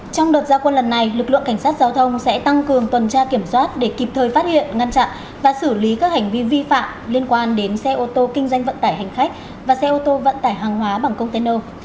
trong đợt gia quân lần này lực lượng cảnh sát giao thông sẽ tăng cường tuần tra kiểm soát để kịp thời phát hiện ngăn chặn và xử lý các hành vi vi phạm liên quan đến xe ô tô kinh doanh vận tải hành khách và xe ô tô vận tải hàng hóa bằng container